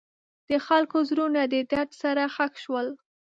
د خلکو زړونه د درد سره ښخ شول.